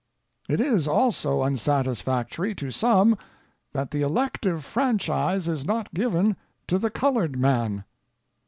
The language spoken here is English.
It is also unsatisfactory to some that the elective franchise is not given to the colored man.